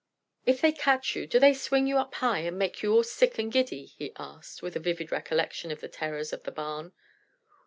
"If they catch you, do they swing you up high, and make you all sick and giddy?" he asked, with a vivid recollection of the terrors of the barn.